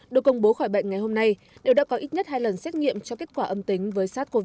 được công bố khỏi bệnh ngày hôm nay đều đã có ít nhất hai lần xét nghiệm cho kết quả âm tính với sars cov hai